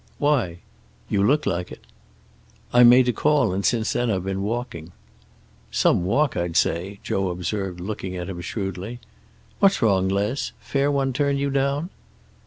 "Why?" "You look like it." "I made a call, and since then I've been walking." "Some walk, I'd say," Joe observed, looking at him shrewdly. "What's wrong, Les? Fair one turn you down?"